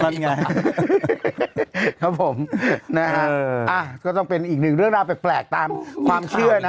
นั่นไงครับผมนะฮะก็ต้องเป็นอีกหนึ่งเรื่องราวแปลกตามความเชื่อนะ